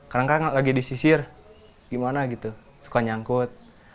adanya itu disisir suka nyangkut